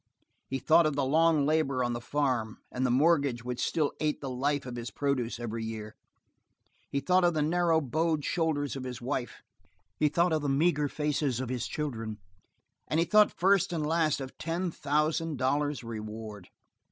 He thought of the long labor on the farm and the mortgage which still ate the life of his produce every year; he thought of the narrow bowed shoulders of his wife; he thought of the meager faces of his children; and he thought first and last of ten thousand dollars reward!